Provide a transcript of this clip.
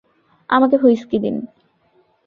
আমাকে হুইস্কি দিন।